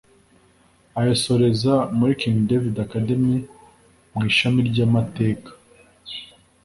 ayasoreza muri King David Academy mu ishami ry’Amateka